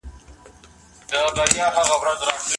ایا تاسي په ورځ کې یو ځل حمام کوئ؟